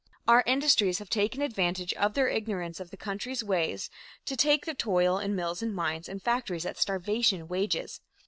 Our industries have taken advantage of their ignorance of the country's ways to take their toil in mills and mines and factories at starvation wages.